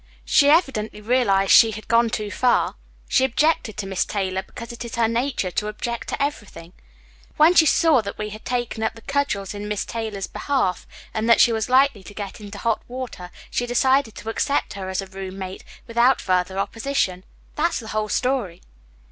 She evidently realized she had gone too far. She objected to Miss Taylor because it is her nature to object to everything. When she saw that we had taken up the cudgels in Miss Taylor's behalf, and that she was likely to get into hot water, she decided to accept her as a roommate without further opposition. That's the whole story."